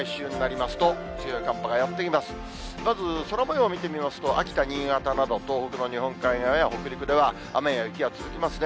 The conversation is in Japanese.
まず空もようを見てみますと、秋田、新潟など東北の日本海側や北陸では雨や雪が続きますね。